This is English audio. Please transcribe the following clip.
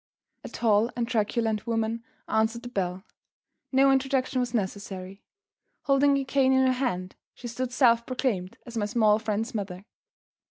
A tall and truculent woman answered the bell. No introduction was necessary. Holding a cane in her hand, she stood self proclaimed as my small friend's mother.